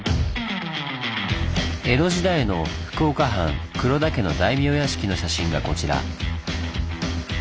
江戸時代の福岡藩黒田家の大名屋敷の写真がこちら。